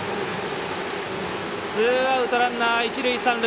ツーアウト、ランナー、一塁三塁。